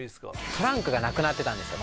トランクがなくなってたんですよ